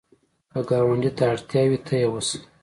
که ګاونډي ته اړتیا وي، ته یې وسه